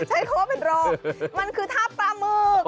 ใช้คำว่าเป็นรองมันคือท่าปลาหมึก